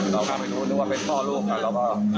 เราก็ไม่รู้นึกว่าเป็นพ่อลูกกันแล้วก็